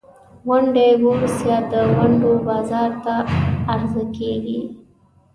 ونډې بورس یا د ونډو بازار ته عرضه کیږي.